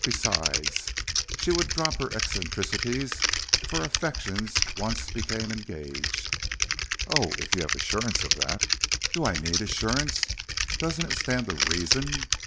Besides, she would drop her eccentricities if her affections once became engaged." "Oh, if you have assurance of that." "Do I need assurance? Doesn't it stand to reason?